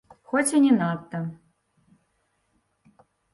Хоць і не надта.